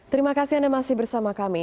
terima kasih anda masih bersama kami